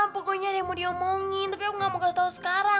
pokoknya ada yang mau diomongin tapi gak mau gak tau sekarang